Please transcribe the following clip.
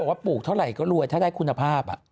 ว่าปลูกเท่าไหร่ก็รวยถ้าได้คุณภาพ